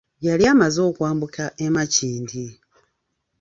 Yali amaze okwambuka e Makindye